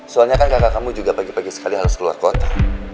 soalnya kan kakak kamu juga pagi pagi sekali harus keluar kota